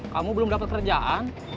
kamu belum dapet kerjaan